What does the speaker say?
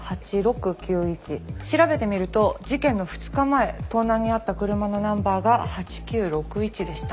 調べてみると事件の２日前盗難に遭った車のナンバーが８９６１でした。